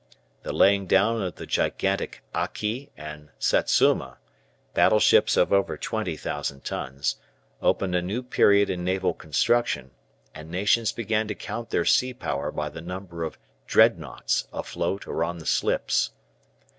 The laying down of the gigantic "Aki" and "Satsuma," battleships of over 20,000 tons, opened a new period in naval construction, and nations began to count their sea power by the number of "Dreadnoughts" afloat or on the slips.